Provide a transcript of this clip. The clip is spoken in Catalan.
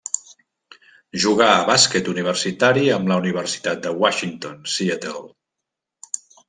Jugà a bàsquet universitari amb la Universitat de Washington, Seattle.